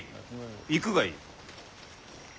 行くがいい。